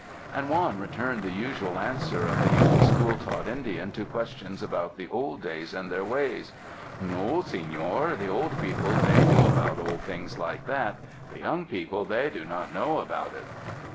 And Juan returned the usual answer of the young school taught Indian to questions about the old days and their ways : "No, senor, the old people they knew about old thing like that ; the young people they do not know about it."